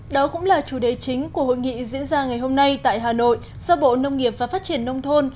đó cũng là chủ đề chính của hội nghị diễn ra ngày hôm nay tại hà nội do bộ nông nghiệp và phát triển nông thôn